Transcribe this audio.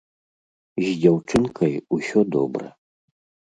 З дзяўчынкай усё добра.